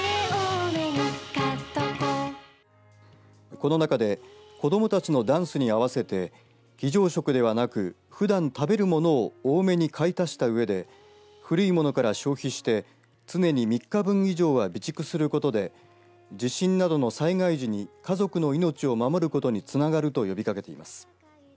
この中で子どもたちのダンスに合わせて非常食ではなくふだん食べるものを多め買い足したうえで古いものから消費して常に３日分以上は備蓄することで地震などの災害時に家族の命を守ることにつながると呼びかけています。